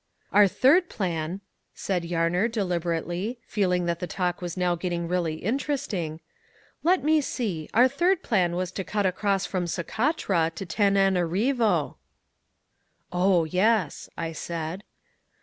"Our third plan," said Yarner deliberately, feeling that the talk was now getting really interesting, "let me see, our third plan was to cut across from Socotra to Tananarivo." "Oh, yes," I said.